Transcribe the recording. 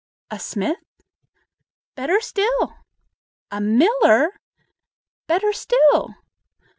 "A smith?" "Better still!" "A miller?" "Better still!"